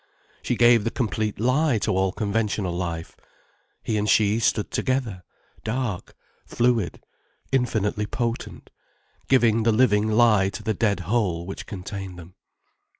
She gave the complete lie to all conventional life, he and she stood together, dark, fluid, infinitely potent, giving the living lie to the dead whole which contained them.